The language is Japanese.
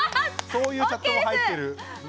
そういうチャットも入ってる。